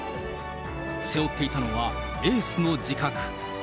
背負っていたのは、エースの自覚。